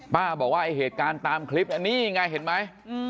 ป้าบอกว่าไอ้เหตุการณ์ตามคลิปนี่ไงเห็นมั้ย